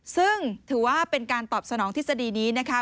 ซึ่งถือว่าเป็นการตอบสนองทฤษฎีนี้นะคะ